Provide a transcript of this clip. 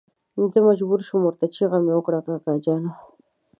زه مجبور شوم ورته چيغه مې کړه کاکا جانه.